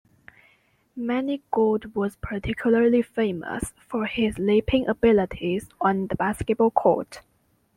Manigault was particularly famous for his leaping abilities on the basketball court.